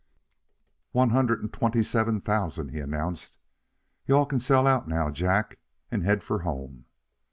"One hundred and twenty seven thousand," he announced. "You all can sell out now, Jack, and head for home."